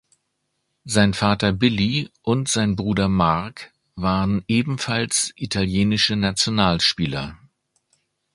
Sein Vater Billy und sein Bruder Mark waren ebenfalls italienische Nationalspieler.